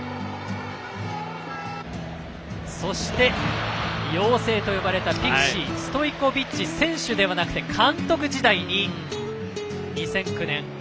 そして妖精と呼ばれたピクシーストイコビッチ、選手ではなく監督時代の２００９年。